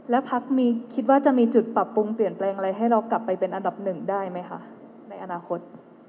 แล้วพักมีคิดว่าจะมีจุดปรับปรุงเปลี่ยนแปลงอะไรให้เรากลับไปเป็นอันดับหนึ่งได้ไหมคะในอนาคต